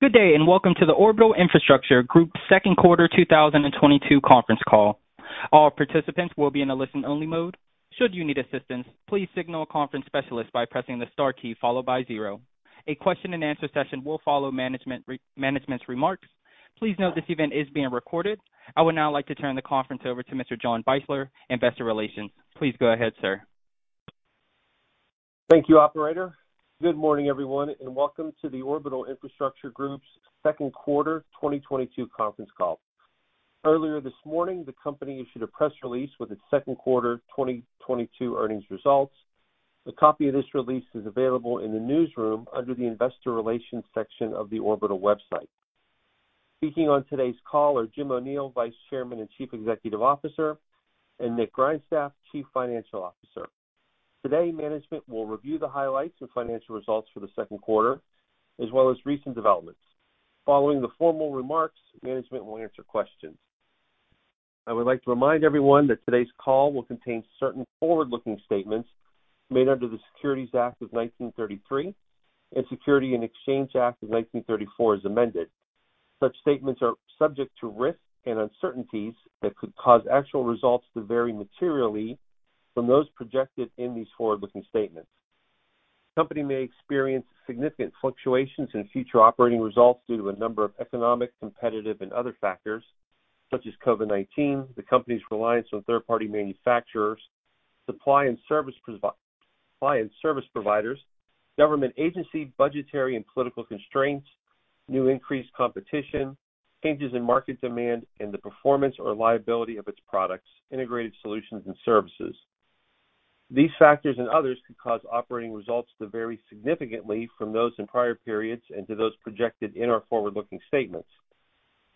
Good day, and Welcome to the Orbital Infrastructure Group Second Quarter 2022 Conference Call. All participants will be in a listen-only mode. Should you need assistance, please signal a conference specialist by pressing the star key followed by zero. A question-and-answer session will follow management's remarks. Please note this event is being recorded. I would now like to turn the conference over to Mr. John Beisler, Investor Relations. Please go ahead, sir. Thank you, operator. Good morning, everyone, and welcome to the Orbital Infrastructure Group's 2nd quarter 2022 conference call. Earlier this morning, the company issued a press release with its 2nd quarter 2022 earnings results. A copy of this release is available in the newsroom under the Investor Relations section of the Orbital website. Speaking on today's call are Jim O'Neil, Vice Chairman and Chief Executive Officer, and Nick Grindstaff, Chief Financial Officer. Today, management will review the highlights and financial results for the 2nd quarter, as well as recent developments. Following the formal remarks, management will answer questions. I would like to remind everyone that today's call will contain certain forward-looking statements made under the Securities Act of 1933 and Securities and Exchange Act of 1934 as amended. Such statements are subject to risks and uncertainties that could cause actual results to vary materially from those projected in these forward-looking statements. The company may experience significant fluctuations in future operating results due to a number of economic, competitive, and other factors such as COVID-19, the company's reliance on 3rd-party manufacturers, supply and service providers, government agency budgetary and political constraints, new increased competition, changes in market demand, and the performance or liability of its products, integrated solutions and services. These factors and others could cause operating results to vary significantly from those in prior periods and to those projected in our forward-looking statements.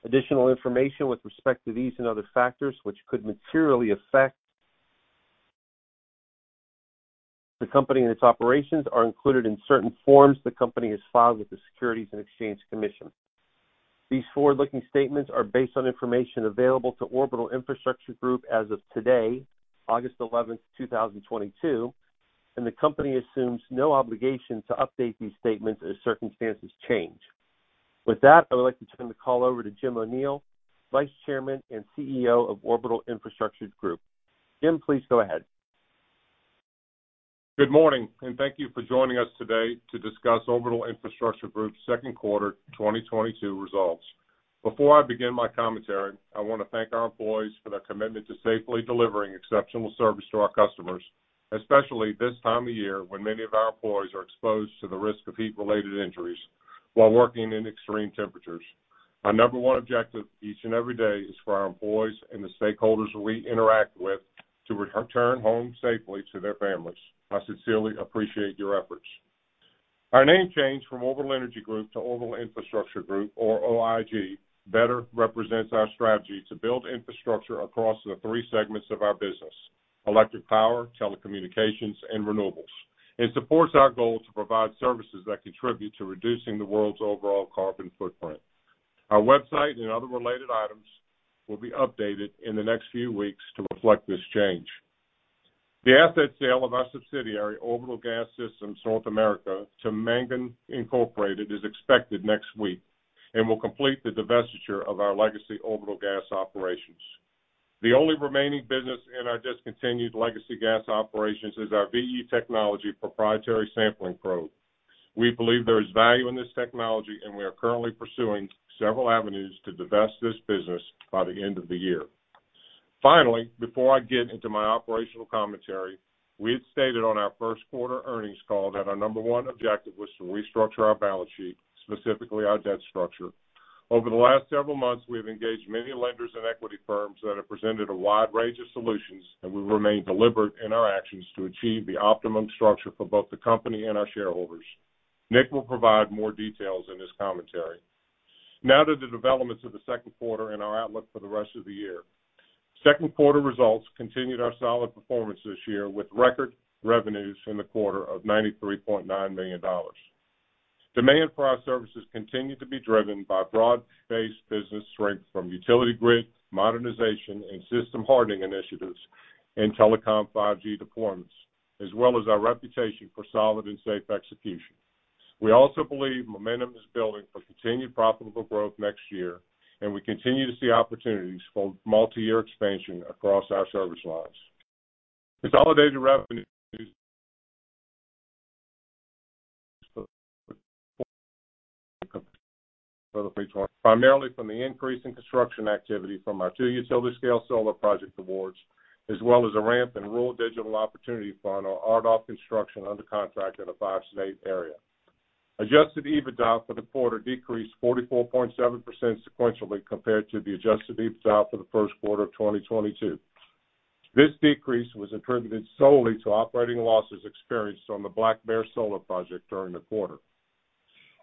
Additional information with respect to these and other factors which could materially affect the company and its operations are included in certain forms the company has filed with the Securities and Exchange Commission. These forward-looking statements are based on information available to Orbital Infrastructure Group as of today, August 11th, 2022, and the company assumes no obligation to update these statements as circumstances change. With that, I would like to turn the call over to Jim O'Neil, Vice Chairman and CEO of Orbital Infrastructure Group. Jim, please go ahead. Good morning, and thank you for joining us today to discuss Orbital Infrastructure Group's 2nd quarter 2022 results. Before I begin my commentary, I want to thank our employees for their commitment to safely delivering exceptional service to our customers, especially this time of year when many of our employees are exposed to the risk of heat-related injuries while working in extreme temperatures. Our number one objective each and every day is for our employees and the stakeholders we interact with to return home safely to their families. I sincerely appreciate your efforts. Our name change from Orbital Energy Group to Orbital Infrastructure Group or OIG better represents our strategy to build infrastructure across the three segments of our business, electric power, telecommunications, and renewables, and supports our goal to provide services that contribute to reducing the world's overall carbon footprint. Our website and other related items will be updated in the next few weeks to reflect this change. The asset sale of our subsidiary, Orbital Gas Systems North America to Mangan, Inc. is expected next week and will complete the divestiture of our legacy Orbital Gas operations. The only remaining business in our discontinued legacy gas operations is our VE Technology proprietary sampling probe. We believe there is value in this technology, and we are currently pursuing several avenues to divest this business by the end of the year. Finally, before I get into my operational commentary, we had stated on our 1st quarter earnings call that our number one objective was to restructure our balance sheet, specifically our debt structure. Over the last several months, we have engaged many lenders and equity firms that have presented a wide range of solutions, and we remain deliberate in our actions to achieve the optimum structure for both the company and our shareholders. Nick will provide more details in his commentary. Now to the developments of the 2nd quarter and our outlook for the rest of the year. Second quarter results continued our solid performance this year with record revenues in the quarter of $93.9 million. Demand for our services continued to be driven by broad-based business strength from utility grid modernization and system hardening initiatives and telecom 5G deployments, as well as our reputation for solid and safe execution. We also believe momentum is building for continued profitable growth next year, and we continue to see opportunities for multi-year expansion across our service lines. Consolidated revenues primarily from the increase in construction activity from our two utility-scale solar project awards, as well as a ramp in Rural Digital Opportunity Fund or RDOF construction under contract in a five state area. Adjusted EBITDA for the quarter decreased 44.7% sequentially compared to the adjusted EBITDA for the 1st quarter of 2022. This decrease was attributed solely to operating losses experienced on the Black Bear Solar project during the quarter.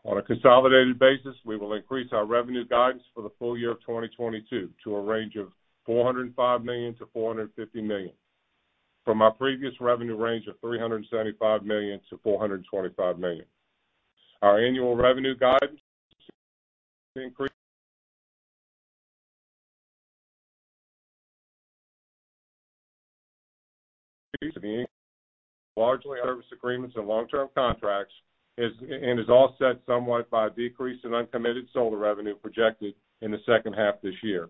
On a consolidated basis, we will increase our revenue guidance for the full year of 2022 to a range of $405 million-$450 million from our previous revenue range of $375 million-$425 million. Our annual revenue guidance increased largely service agreements and long-term contracts, and is offset somewhat by a decrease in uncommitted solar revenue projected in the 2nd half this year.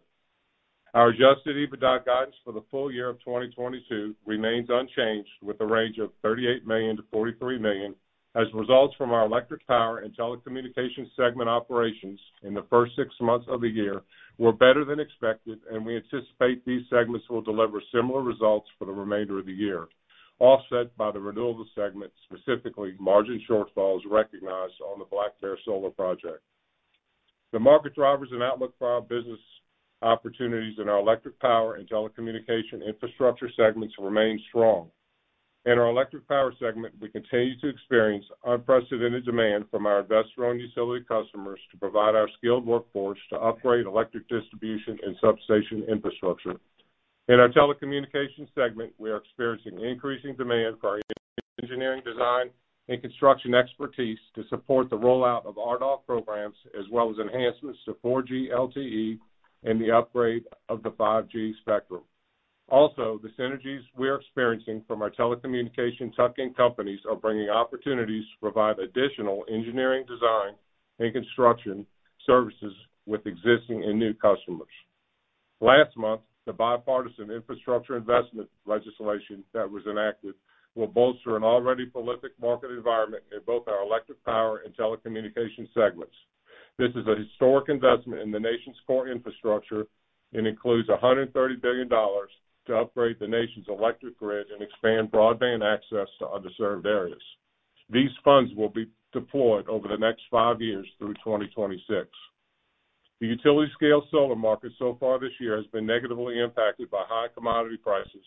Our adjusted EBITDA guidance for the full year of 2022 remains unchanged, with a range of $38 million-$43 million, as results from our electric power and telecommunications segment operations in the 1st six months of the year were better than expected, and we anticipate these segments will deliver similar results for the remainder of the year, offset by the renewable segment, specifically margin shortfalls recognized on the Black Bear Solar Project. The market drivers and outlook for our business opportunities in our electric power and telecommunications infrastructure segments remain strong. In our electric power segment, we continue to experience unprecedented demand from our investor-owned utility customers to provide our skilled workforce to upgrade electric distribution and substation infrastructure. In our telecommunications segment, we are experiencing increasing demand for our engineering, design, and construction expertise to support the rollout of RDOF programs, as well as enhancements to 4G LTE and the upgrade of the 5G spectrum. Also, the synergies we are experiencing from our telecommunications tuck-in companies are bringing opportunities to provide additional engineering, design, and construction services with existing and new customers. Last month, the Bipartisan Infrastructure Law that was enacted will bolster an already prolific market environment in both our electric power and telecommunications segments. This is a historic investment in the nation's core infrastructure and includes $130 billion to upgrade the nation's electric grid and expand broadband access to underserved areas. These funds will be deployed over the next five years through 2026. The utility scale solar market so far this year has been negatively impacted by high commodity prices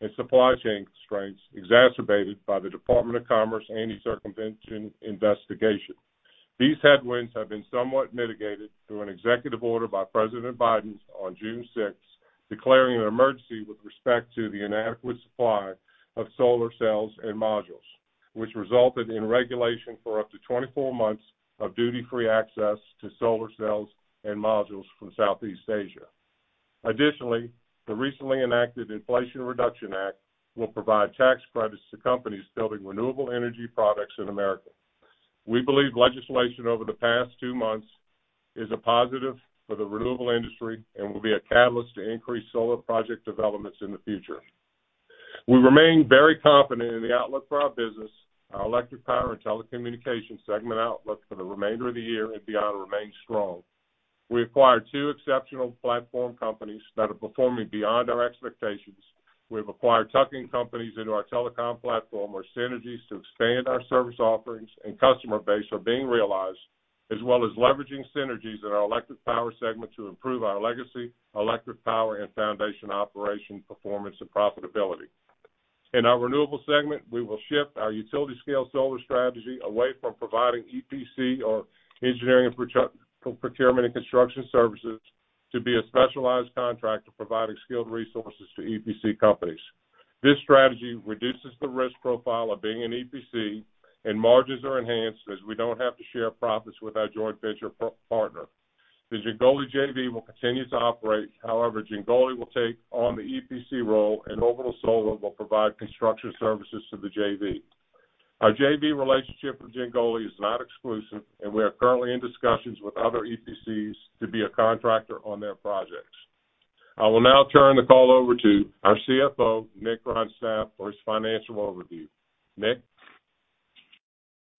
and supply chain constraints, exacerbated by the U.S. Department of Commerce anti-circumvention investigation. These headwinds have been somewhat mitigated through an executive order by President Biden on June 6th, declaring an emergency with respect to the inadequate supply of solar cells and modules, which resulted in regulation for up to 24 months of duty-free access to solar cells and modules from Southeast Asia. Additionally, the recently enacted Inflation Reduction Act will provide tax credits to companies building renewable energy products in America. We believe legislation over the past two months is a positive for the renewable industry and will be a catalyst to increase solar project developments in the future. We remain very confident in the outlook for our business. Our electric power and telecommunications segment outlook for the remainder of the year and beyond remain strong. We acquired two exceptional platform companies that are performing beyond our expectations. We have acquired tuck-in companies into our telecom platform, where synergies to expand our service offerings and customer base are being realized, as well as leveraging synergies in our electric power segment to improve our legacy electric power and foundation operation performance and profitability. In our renewable segment, we will shift our utility scale solar strategy away from providing EPC or engineering procurement and construction services to be a specialized contractor providing skilled resources to EPC companies. This strategy reduces the risk profile of being an EPC, and margins are enhanced as we don't have to share profits with our joint venture partner. The Jingoli JV will continue to operate. However, Jingoli will take on the EPC role, and Orbital Solar will provide construction services to the JV. Our JV relationship with Jingoli is not exclusive, and we are currently in discussions with other EPCs to be a contractor on their projects. I will now turn the call over to our CFO, Nick Grindstaff, for his financial overview. Nick?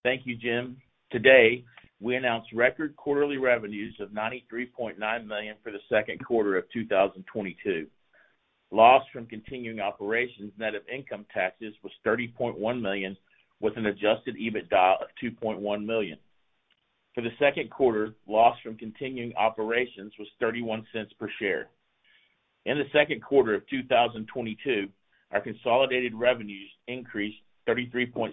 Thank you, Jim. Today, we announced record quarterly revenues of $93.9 million for the 2nd quarter of 2022. Loss from continuing operations, net of income taxes was $30.1 million, with an adjusted EBITDA of $2.1 million. For the 2nd quarter, loss from continuing operations was $0.31 per share. In the 2nd quarter of 2022, our consolidated revenues increased 33.6%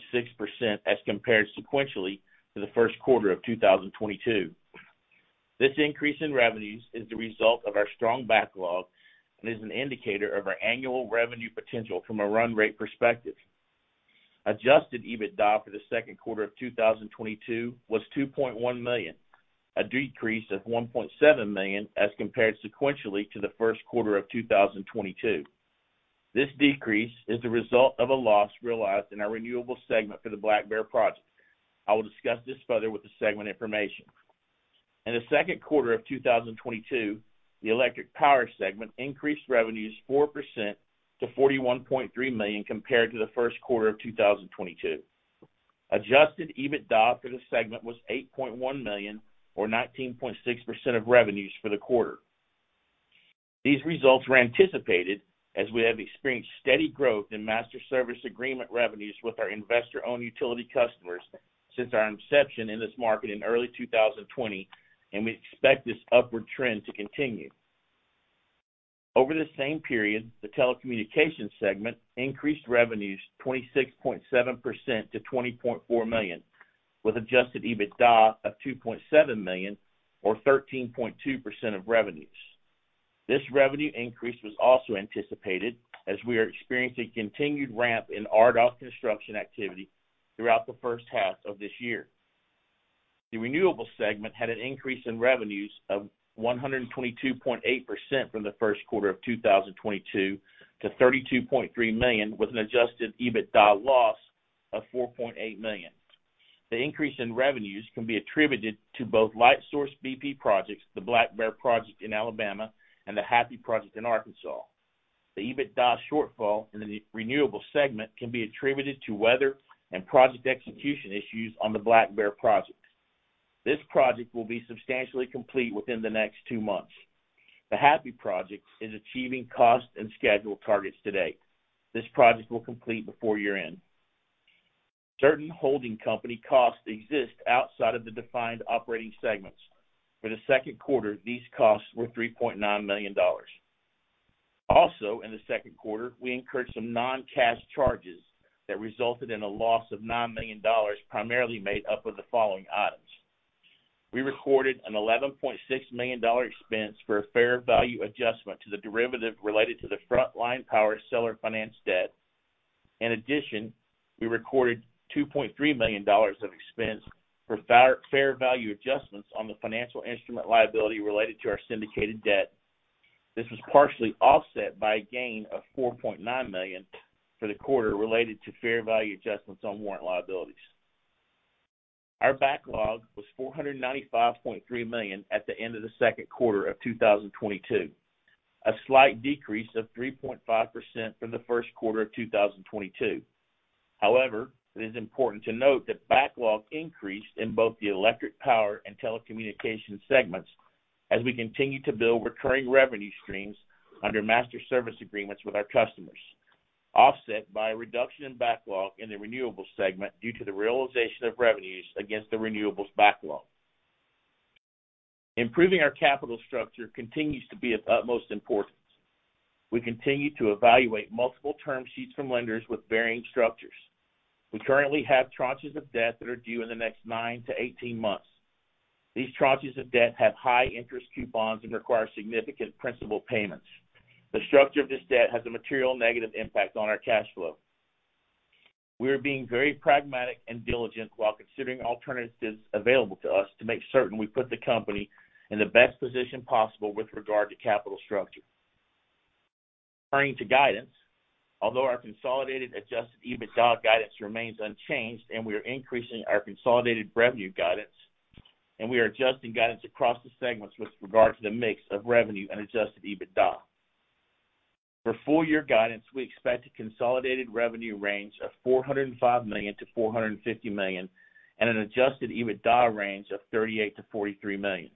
as compared sequentially to the 1st quarter of 2022. This increase in revenues is the result of our strong backlog and is an indicator of our annual revenue potential from a run rate perspective. Adjusted EBITDA for the 2nd quarter of 2022 was $2.1 million, a decrease of $1.7 million as compared sequentially to the 1st quarter of 2022. This decrease is the result of a loss realized in our renewables segment for the Black Bear project. I will discuss this further with the segment information. In the 2nd quarter of 2022, the electric power segment increased revenues 4% to $41.3 million compared to the 1st quarter of 2022. Adjusted EBITDA for the segment was $8.1 million or 19.6% of revenues for the quarter. These results were anticipated as we have experienced steady growth in master service agreement revenues with our investor-owned utility customers since our inception in this market in early 2020, and we expect this upward trend to continue. Over the same period, the telecommunications segment increased revenues 26.7% to $20.4 million with adjusted EBITDA of $2.7 million or 13.2% of revenues. This revenue increase was also anticipated as we are experiencing continued ramp in RDOF construction activity throughout the 1st half of this year. The renewables segment had an increase in revenues of 122.8% from the 1st quarter of 2022 to $32.3 million with an adjusted EBITDA loss of $4.8 million. The increase in revenues can be attributed to both Lightsource bp projects, the Black Bear project in Alabama and the Happy project in Arkansas. The EBITDA shortfall in the renewables segment can be attributed to weather and project execution issues on the Black Bear project. This project will be substantially complete within the next two months. The Happy project is achieving cost and schedule targets to date. This project will complete before year-end. Certain holding company costs exist outside of the defined operating segments. For the 2nd quarter, these costs were $3.9 million. Also in the 2nd quarter, we incurred some non-cash charges that resulted in a loss of $9 million, primarily made up of the following items. We recorded an $11.6 million dollar expense for a fair value adjustment to the derivative related to the Front Line Power seller-financed debt. In addition, we recorded $2.3 million of expense for fair value adjustments on the financial instrument liability related to our syndicated debt. This was partially offset by a gain of $4.9 million for the quarter related to fair value adjustments on warrant liabilities. Our backlog was $495.3 million at the end of the 2nd quarter of 2022, a slight decrease of 3.5% from the 1st quarter of 2022. However, it is important to note that backlog increased in both the electric power and telecommunication segments as we continue to build recurring revenue streams under master service agreements with our customers, offset by a reduction in backlog in the renewables segment due to the realization of revenues against the renewables backlog. Improving our capital structure continues to be of utmost importance. We continue to evaluate multiple term sheets from lenders with varying structures. We currently have tranches of debt that are due in the next nine to 18 months. These tranches of debt have high interest coupons and require significant principal payments. The structure of this debt has a material negative impact on our cash flow. We are being very pragmatic and diligent while considering alternatives available to us to make certain we put the company in the best position possible with regard to capital structure. Turning to guidance, although our consolidated adjusted EBITDA guidance remains unchanged and we are increasing our consolidated revenue guidance, and we are adjusting guidance across the segments with regard to the mix of revenue and adjusted EBITDA. For full year guidance, we expect a consolidated revenue range of $405 million-$450 million and an adjusted EBITDA range of $38 million-$43 million.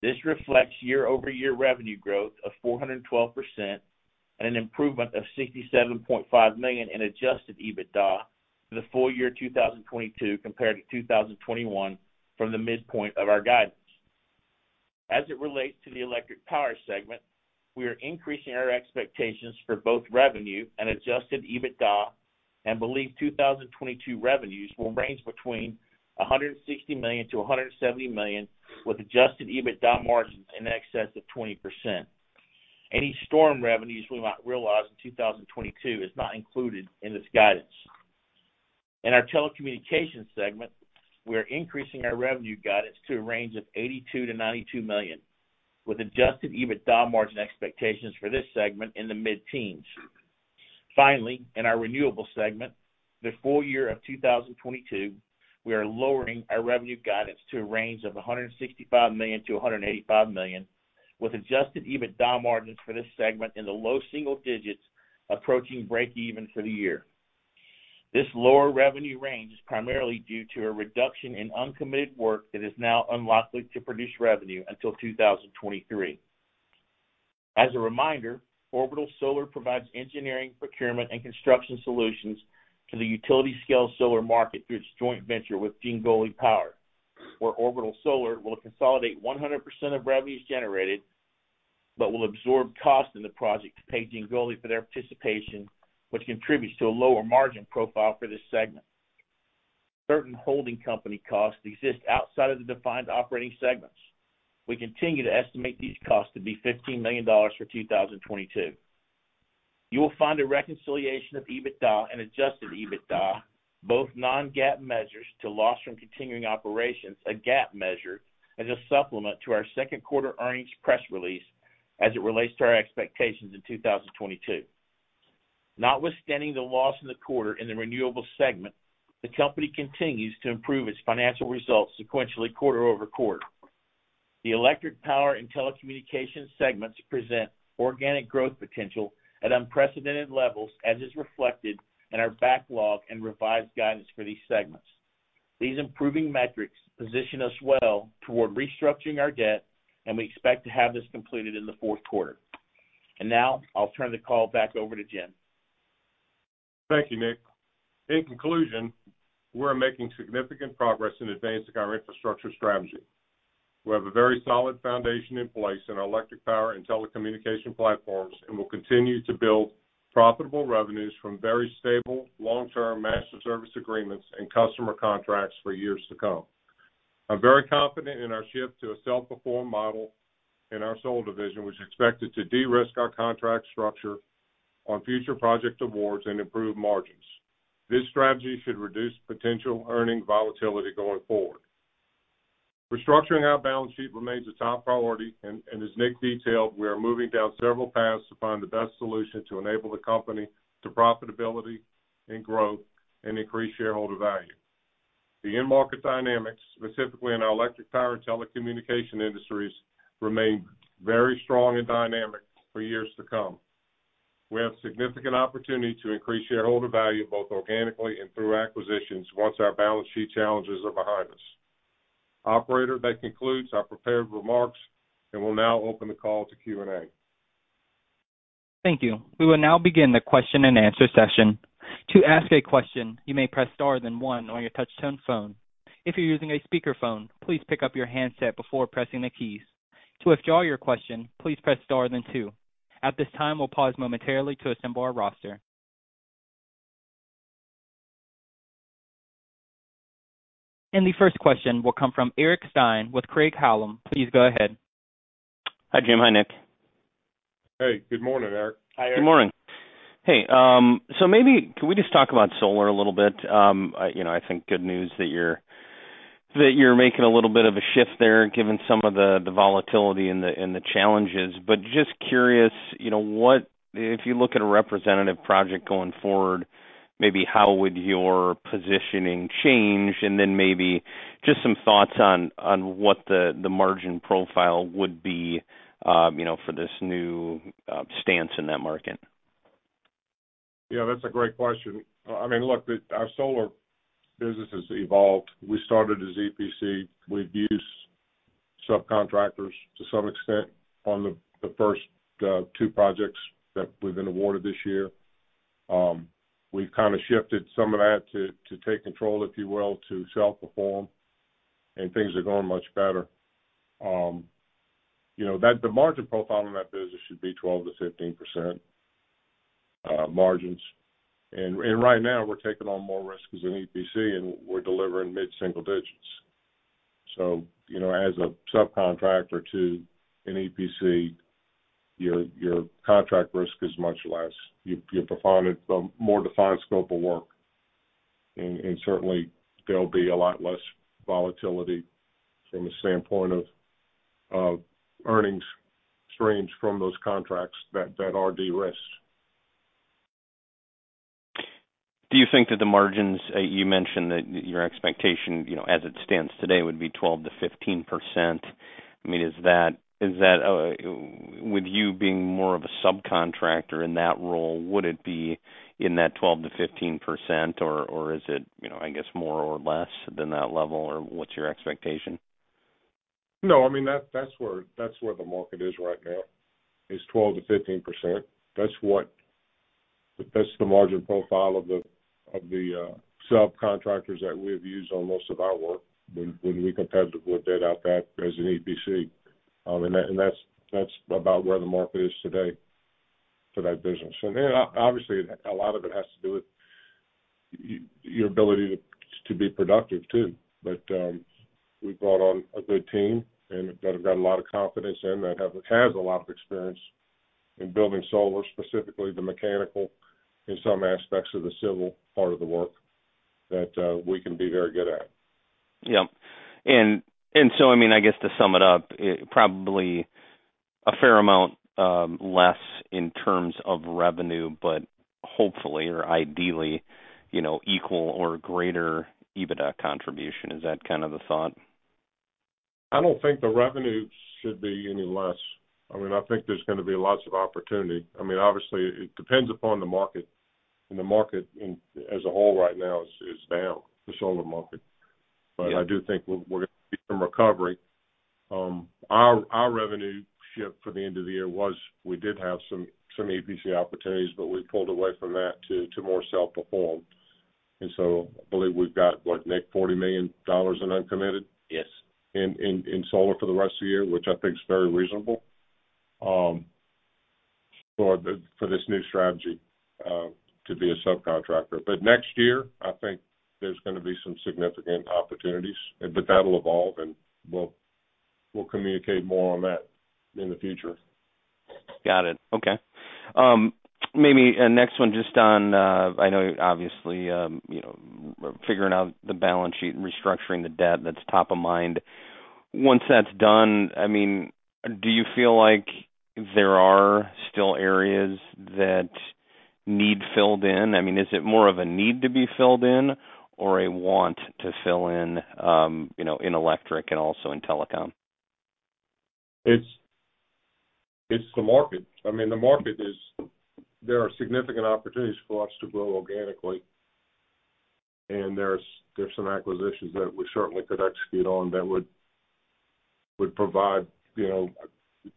This reflects year-over-year revenue growth of 412% and an improvement of $67.5 million in adjusted EBITDA for the full year 2022 compared to 2021 from the midpoint of our guidance. As it relates to the electric power segment, we are increasing our expectations for both revenue and adjusted EBITDA and believe 2022 revenues will range between $160 million-$170 million with adjusted EBITDA margins in excess of 20%. Any storm revenues we might realize in 2022 is not included in this guidance. In our telecommunications segment, we are increasing our revenue guidance to a range of $82 million-$92 million, with adjusted EBITDA margin expectations for this segment in the mid-teens. Finally, in our renewables segment, the full year of 2022, we are lowering our revenue guidance to a range of $165 million-$185 million, with adjusted EBITDA margins for this segment in the low single digits approaching break even for the year. This lower revenue range is primarily due to a reduction in uncommitted work that is now unlikely to produce revenue until 2023. As a reminder, Orbital Solar provides engineering, procurement and construction solutions to the utility scale solar market through its joint venture with Jingoli Power, where Orbital Solar will consolidate 100% of revenues generated, but will absorb costs in the project to pay Jingoli for their participation, which contributes to a lower margin profile for this segment. Certain holding company costs exist outside of the defined operating segments. We continue to estimate these costs to be $15 million for 2022. You will find a reconciliation of EBITDA and adjusted EBITDA, both non-GAAP measures, to loss from continuing operations, a GAAP measure, as a supplement to our 2nd quarter earnings press release as it relates to our expectations in 2022. Notwithstanding the loss in the quarter in the renewables segment, the company continues to improve its financial results sequentially quarter over quarter. The electric power and telecommunications segments present organic growth potential at unprecedented levels, as is reflected in our backlog and revised guidance for these segments. These improving metrics position us well toward restructuring our debt, and we expect to have this completed in the 4th quarter. Now I'll turn the call back over to Jim. Thank you, Nick. In conclusion, we're making significant progress in advancing our infrastructure strategy. We have a very solid foundation in place in our electric power and telecommunication platforms, and we'll continue to build profitable revenues from very stable long-term master service agreements and customer contracts for years to come. I'm very confident in our shift to a self-perform model in our solar division, which is expected to de-risk our contract structure on future project awards and improved margins. This strategy should reduce potential earning volatility going forward. Restructuring our balance sheet remains a top priority and as Nick detailed, we are moving down several paths to find the best solution to enable the company to profitability and growth and increase shareholder value. The end market dynamics, specifically in our electric power and telecommunication industries, remain very strong and dynamic for years to come. We have significant opportunity to increase shareholder value both organically and through acquisitions once our balance sheet challenges are behind us. Operator, that concludes our prepared remarks, and we'll now open the call to Q&A. Thank you. We will now begin the question-and-answer session. To ask a question, you may press star then one on your touch-tone phone. If you're using a speakerphone, please pick up your handset before pressing the keys. To withdraw your question, please press star then two. At this time, we'll pause momentarily to assemble our roster. The 1st question will come from Eric Stine with Craig-Hallum. Please go ahead. Hi, Jim. Hi, Nick. Hey, good morning, Eric. Hi, Eric. Good morning. Hey, so maybe could we just talk about solar a little bit? You know, I think good news that you're making a little bit of a shift there, given some of the volatility and the challenges, but just curious, you know, what if you look at a representative project going forward, maybe how would your positioning change? Maybe just some thoughts on what the margin profile would be, you know, for this new stance in that market. Yeah, that's a great question. I mean, look, our solar business has evolved. We started as EPC. We've used subcontractors to some extent on the 1st two projects that we've been awarded this year. We've kinda shifted some of that to take control, if you will, to self-perform, and things are going much better. You know, the margin profile in that business should be 12%-15% margins. Right now we're taking on more risk as an EPC, and we're delivering mid-single digits. So, you know, as a subcontractor to an EPC, your contract risk is much less. You've defined a more defined scope of work. Certainly there'll be a lot less volatility from the standpoint of earnings range from those contracts that are de-risked. Do you think that the margins, you mentioned that your expectation, you know, as it stands today, would be 12%-15%. I mean, is that, with you being more of a subcontractor in that role, would it be in that 12%-15%, or is it, you know, I guess more or less than that level or what's your expectation? No, I mean, that's where the market is right now, is 12%-15%. That's the margin profile of the subcontractors that we have used on most of our work when we competitively bid that out as an EPC. That's about where the market is today for that business. Obviously, a lot of it has to do with your ability to be productive too. We've brought on a good team that we have a lot of confidence in, that has a lot of experience in building solar, specifically the mechanical and some aspects of the civil part of the work that we can be very good at. Yeah. I mean, I guess to sum it up, it probably a fair amount less in terms of revenue, but hopefully or ideally, you know, equal or greater EBITDA contribution. Is that kind of the thought? I don't think the revenue should be any less. I mean, I think there's gonna be lots of opportunity. I mean, obviously it depends upon the market, and the market as a whole right now is down, the solar market. Yeah. I do think we're gonna see some recovery. Our revenue shift for the end of the year was we did have some EPC opportunities, but we pulled away from that to more self-perform. I believe we've got, what, Nick, $40 million in uncommitted? Yes. In solar for the rest of the year, which I think is very reasonable, for this new strategy to be a subcontractor. Next year, I think there's gonna be some significant opportunities, but that'll evolve, and we'll communicate more on that in the future. Got it. Okay. Maybe a next one just on, I know obviously, you know, figuring out the balance sheet and restructuring the debt, that's top of mind. Once that's done, I mean, do you feel like there are still areas that need filled in? I mean, is it more of a need to be filled in or a want to fill in, you know, in electric and also in telecom? It's the market. I mean, the market is there are significant opportunities for us to grow organically, and there's some acquisitions that we certainly could execute on that would provide, you know,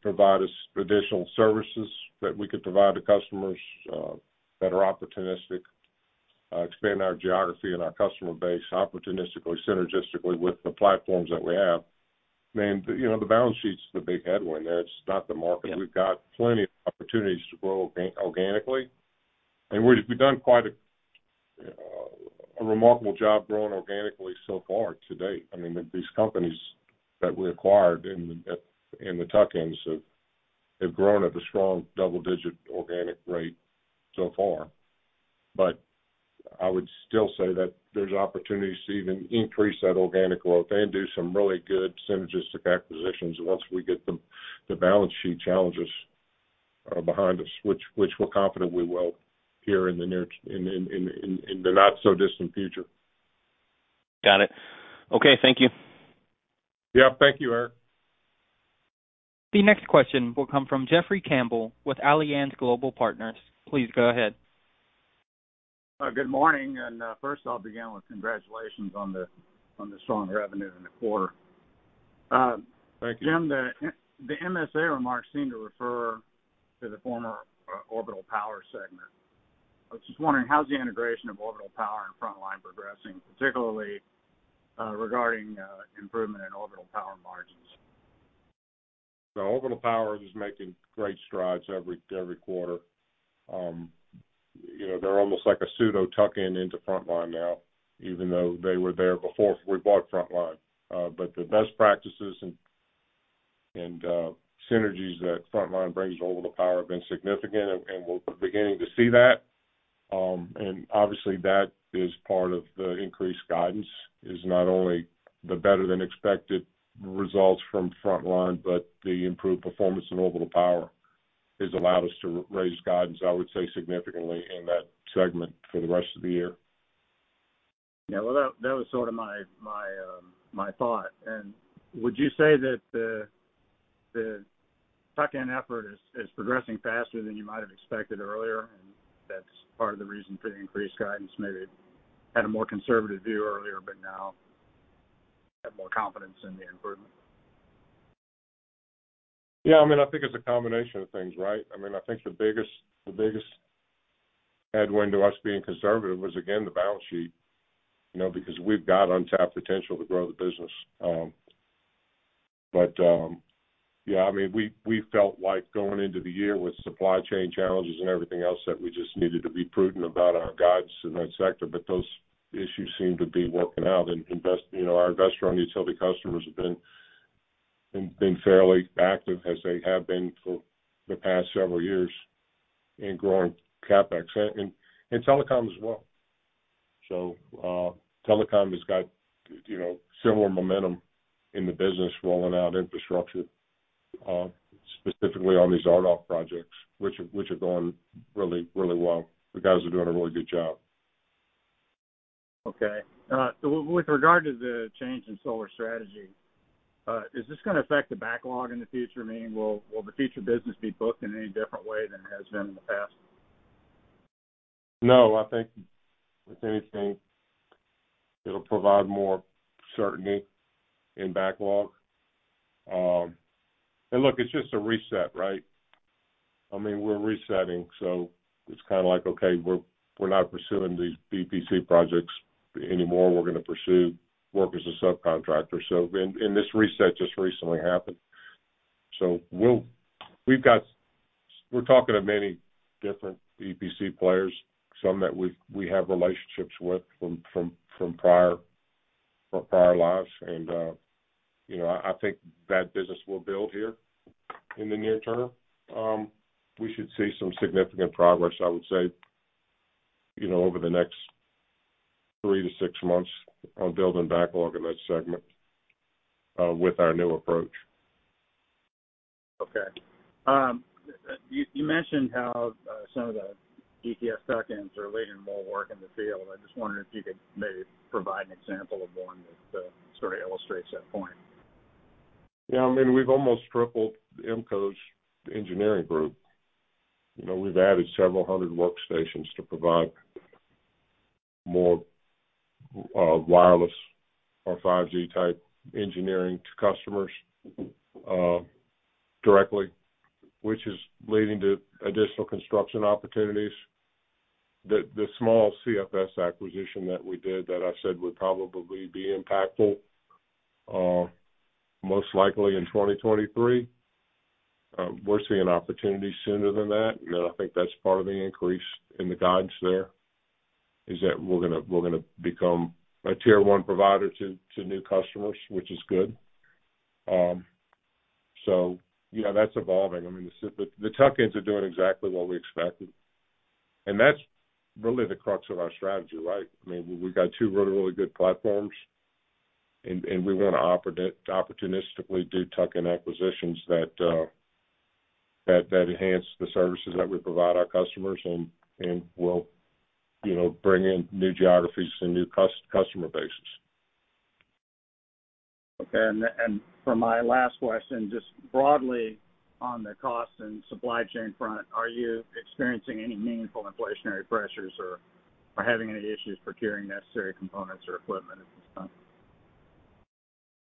provide us additional services that we could provide to customers, that are opportunistic, expand our geography and our customer base opportunistically, synergistically with the platforms that we have. I mean, you know, the balance sheet's the big headwind there. It's not the market. Yeah. We've got plenty of opportunities to grow organically, and we've done quite a remarkable job growing organically so far to date. I mean, these companies that we acquired in the tuck-ins have grown at a strong double-digit organic rate so far. I would still say that there's opportunities to even increase that organic growth and do some really good synergistic acquisitions once we get the balance sheet challenges behind us, which we're confident we will here in the not so distant future. Got it. Okay, thank you. Yeah, thank you, Eric. The next question will come from Jeffrey Campbell with Alliance Global Partners. Please go ahead. Good morning, and 1st I'll begin with congratulations on the strong revenue in the quarter. Thank you. Jim, the MSA remarks seem to refer to the former Orbital Power segment. I was just wondering, how's the integration of Orbital Power and Front Line progressing, particularly regarding improvement in Orbital Power margins? Orbital Power is making great strides every quarter. You know, they're almost like a pseudo tuck-in into Front Line now, even though they were there before we bought Front Line. The best practices and synergies that Front Line brings to Orbital Power have been significant, and we're beginning to see that. Obviously that is part of the increased guidance, is not only the better than expected results from Front Line, but the improved performance in Orbital Power has allowed us to raise guidance, I would say, significantly in that segment for the rest of the year. Yeah. Well, that was sort of my thought. Would you say that the tuck-in effort is progressing faster than you might have expected earlier, and that's part of the reason for the increased guidance? Maybe had a more conservative view earlier, but now have more confidence in the improvement. Yeah. I mean, I think it's a combination of things, right? I mean, I think the biggest headwind to us being conservative was again, the balance sheet. You know, because we've got untapped potential to grow the business. We felt like going into the year with supply chain challenges and everything else that we just needed to be prudent about our guidance in that sector. Those issues seem to be working out. Our investor-owned utility customers have been fairly active as they have been for the past several years in growing CapEx and telecom as well. Telecom has got, you know, similar momentum in the business rolling out infrastructure, specifically on these RDOF projects, which are going really well. The guys are doing a really good job. Okay. So with regard to the change in solar strategy, is this gonna affect the backlog in the future? Meaning will the future business be booked in any different way than it has been in the past? No. I think if anything, it'll provide more certainty in backlog. Look, it's just a reset, right? I mean, we're resetting, so it's kinda like, okay, we're not pursuing these EPC projects anymore. We're gonna pursue work as a subcontractor. This reset just recently happened. We're talking to many different EPC players, some that we have relationships with from prior lives. You know, I think that business will build here in the near term. We should see some significant progress, I would say, you know, over the next three to six months on building backlog in that segment with our new approach. Okay. You mentioned how some of the DTS tuck-ins are leading more work in the field. I just wondered if you could maybe provide an example of one that sort of illustrates that point. Yeah. I mean, we've almost tripled IMMCO's engineering group. You know, we've added several hundred workstations to provide more wireless or 5G type engineering to customers directly, which is leading to additional construction opportunities. The small CFS acquisition that we did that I said would probably be impactful most likely in 2023. We're seeing opportunities sooner than that, and I think that's part of the increase in the guidance there, is that we're gonna become a tier one provider to new customers, which is good. Yeah, that's evolving. I mean, the tuck-ins are doing exactly what we expected. That's really the crux of our strategy, right? I mean, we've got two really, really good platforms and we wanna opportunistically do tuck-in acquisitions that enhance the services that we provide our customers and will, you know, bring in new geographies and new customer bases. Okay. For my last question, just broadly on the cost and supply chain front, are you experiencing any meaningful inflationary pressures or having any issues procuring necessary components or equipment at this time?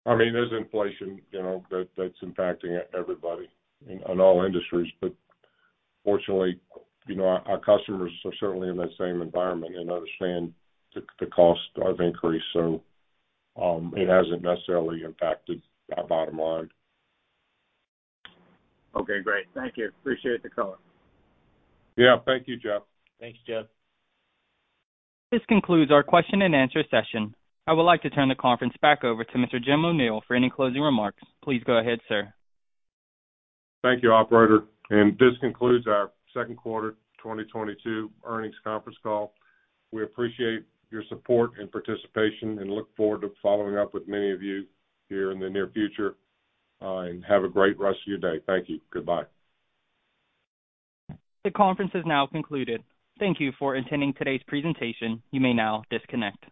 I mean, there's inflation, you know, that's impacting everybody in all industries. Fortunately, you know, our customers are certainly in that same environment and understand the cost increases. It hasn't necessarily impacted our bottom line. Okay, great. Thank you. Appreciate the call. Yeah, thank you, Jeff. Thanks, Jeff. This concludes our question and answer session. I would like to turn the conference back over to Mr. Jim O'Neil for any closing remarks. Please go ahead, sir. Thank you, operator. This concludes our 2nd quarter 2022 earnings conference call. We appreciate your support and participation and look forward to following up with many of you here in the near future. Have a great rest of your day. Thank you. Goodbye. The conference is now concluded. Thank you for attending today's presentation. You may now disconnect.